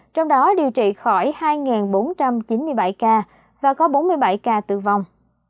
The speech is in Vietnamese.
trong đó điều trị khỏi hai bốn trăm chín mươi bảy ca và có bốn mươi bảy ca tử vong